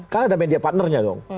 kan ada media partnernya dong